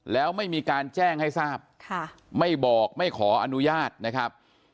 แล้วไม่มีการแจ้งให้ทราบไม่บอกไม่ขออนุญาตนะครับ